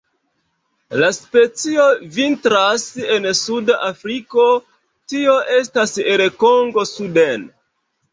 La specio vintras en suda Afriko, tio estas el Kongo suden.